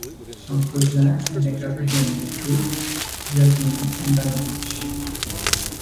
Son cousin est le gardien de but Jasmin Handanovič.